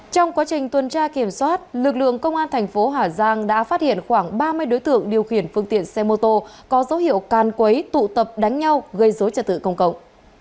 trong quá trình tuần tra kiểm soát lực lượng công an thành phố hà giang đã phát hiện khoảng ba mươi đối tượng điều khiển phương tiện xe mô tô có dấu hiệu can quấy tụ tập đánh nhau gây dối trật tự công cộng